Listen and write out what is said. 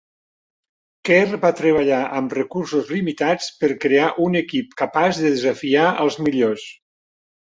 Kerr va treballar amb recursos limitats per crear un equip capaç de desafiar als millors.